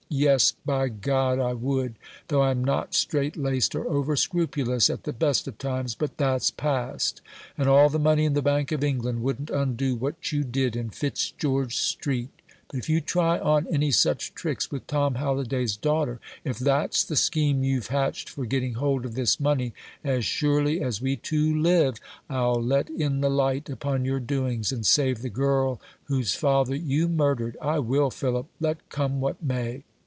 Yes, by God, I would! though I'm not straitlaced or over scrupulous at the best of times. But that's past, and all the money in the Bank of England wouldn't undo what you did in Fitzgeorge Street. But if you try on any such tricks with Tom Halliday's daughter, if that's the scheme you've hatched for getting hold of this money, as surely as we two live, I'll let in the light upon your doings, and save the girl whose father you murdered. I will, Philip, let come what may.